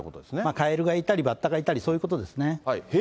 カエルがいたり、バッタがいたり、そういうことですね。